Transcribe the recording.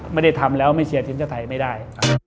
ไม่ได้ทำแล้วไม่เชียร์ทีมชาติไทยไม่ได้